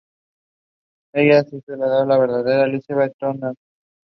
Ella es en sí la verdadera Elisabeth de Tannhäuser.